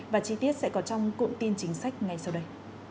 và chi tiết sẽ có trong cụm tin chính sách ngay sau đây